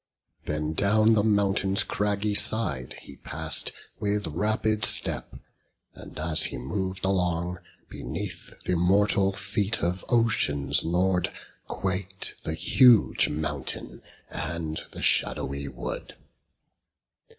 Then down the mountain's craggy side he pass'd With rapid step; and as he mov'd along, Beneath th' immortal feet of Ocean's Lord Quak'd the huge mountain and the shadowy wood.